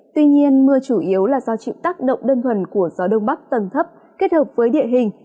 tuy nhiên mưa chủ yếu là do chịu tác động đơn thuần của gió đông bắc tầng thấp kết hợp với địa hình